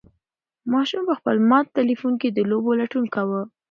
ماشوم په خپل مات تلیفون کې د لوبو لټون کاوه.